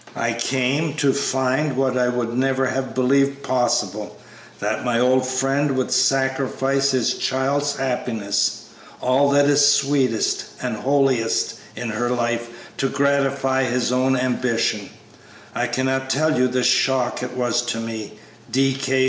I came, to find, what I would never have believed possible, that my old friend would sacrifice his child's happiness, all that is sweetest and holiest in her life, to gratify his own ambition. I cannot tell you the shock it was to me.